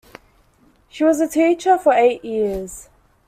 She was a teacher for eight years.